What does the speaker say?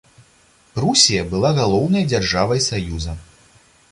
Прусія была галоўнай дзяржавай саюза.